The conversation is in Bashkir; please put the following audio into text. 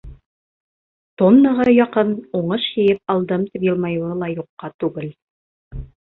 Тоннаға яҡын уңыш йыйып алдым, тип йылмайыуы ла юҡҡа түгел.